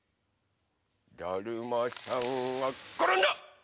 だるまさんがころんだ！